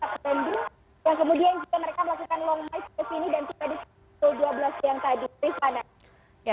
yang kemudian juga mereka melakukan long march ke sini dan tiba di pukul dua belas siang tadi rifana